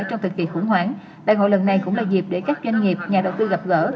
trong thời kỳ khủng hoảng đại hội lần này cũng là dịp để các doanh nghiệp nhà đầu tư gặp gỡ